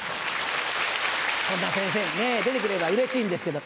そんな先生がね出てくればうれしいんですけど。